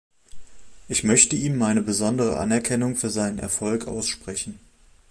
Ich möchte ihm meine besondere Anerkennung für seinen Erfolg aussprechen.